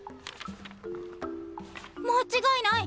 間違いない！